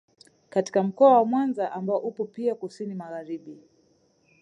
Katika mkoa wa Mwanza ambao upo pia kusini magharibi